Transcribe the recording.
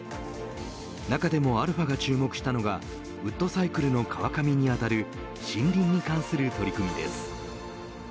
中でもαが注目したのがウッドサイクルの川上にあたる森林に関する取り組みです。